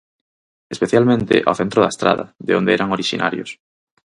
Especialmente ao Centro da Estrada, de onde eran orixinarios.